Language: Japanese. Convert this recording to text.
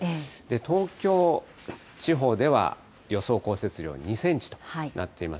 東京地方では予想降雪量２センチとなっています。